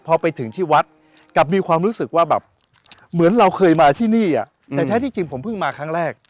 พอไปถึงที่วัดกลับมีความรู้สึกว่าแบบเหมือนเราเคยมาที่นี่แต่แท้ที่จริงผมเพิ่งมาครั้งแรก